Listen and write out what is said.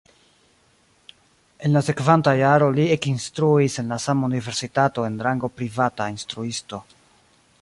En la sekvanta jaro li ekinstruis en la sama universitato en rango privata instruisto.